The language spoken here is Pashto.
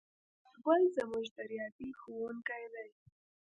څنارګل زموږ د ریاضي ښؤونکی دی.